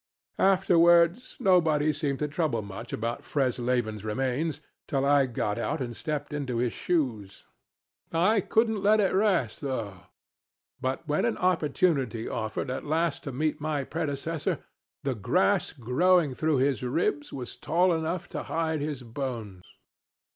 Afterwards nobody seemed to trouble much about Fresleven's remains, till I got out and stepped into his shoes. I couldn't let it rest, though; but when an opportunity offered at last to meet my predecessor, the grass growing through his ribs was tall enough to hide his bones.